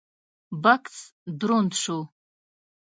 بکس دروند شو: